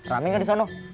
rame nggak di sono